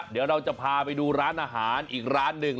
เดี๋ยวเราจะพาไปดูร้านอาหารอีกร้านหนึ่ง